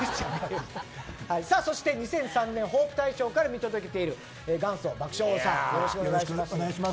さあそして２００３年ホープ大賞から見届けている元祖爆笑王さん。